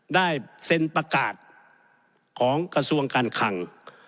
ได้เซ็นประกาศของกระทรวงการคัง